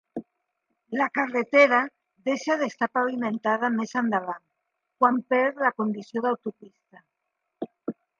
La carretera deixa d'estar pavimentada més endavant quan perd la condició d'autopista.